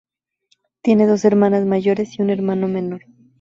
Tiene dos hermanas mayores y un hermano menor.